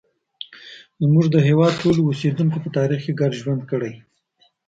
زموږ د هېواد ټولو اوسیدونکو په تاریخ کې ګډ ژوند کړی.